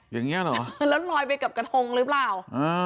อย่างนี้เหรอแล้วลอยไปกับกระทงหรือเปล่า